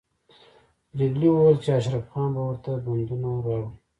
پريګلې وویل چې اشرف خان به ورته بندونه راوړي